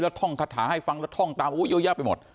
ท่องคาถาให้ฟังแล้วท่องตามเยอะแยะไปหมด